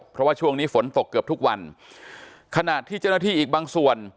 เพราะว่าช่วงนี้ฝนตกเกือบทุกวันขณะที่เจ้าหน้าที่อีกบางส่วน